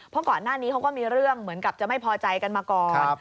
เพราะก่อนหน้านี้เขาก็มีเรื่องเหมือนกับจะไม่พอใจกันมาก่อน